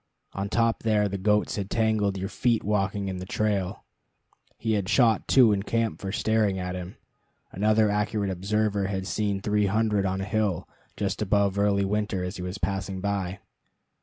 On top there the goats had tangled your feet walking in the trail. He had shot two in camp for staring at him. Another accurate observer had seen three hundred on a hill just above Early Winter as he was passing by.